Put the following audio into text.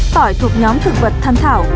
tỏi thuộc nhóm thực vật thăng thảo